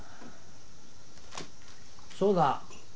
そうだ。